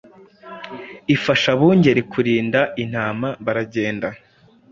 ifasha abungeri kurinda intama Baragenda